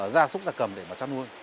ra súc ra cầm để mà chăn nuôi